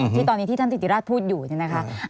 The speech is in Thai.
ที่ตอนนี้ที่ท่านธิติราชพูดอยู่เนี่ยนะคะ